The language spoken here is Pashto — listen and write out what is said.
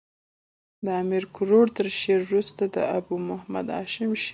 د امیر کروړ تر شعر وروسته د ابو محمد هاشم شعر دﺉ.